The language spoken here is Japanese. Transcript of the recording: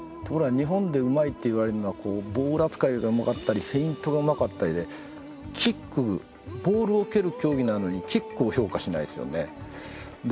ところが日本でうまいって言われるのはボール扱いがうまかったりフェイントがうまかったりでキックボールを蹴る競技なのにキックを評価しないですよね。